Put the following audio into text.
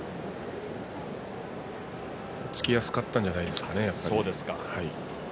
突きやすかったんじゃないですか。